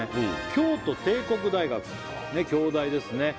京都帝国大学京大ですね